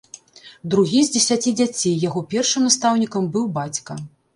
Другі з дзесяці дзяцей, яго першым настаўнікам быў бацька.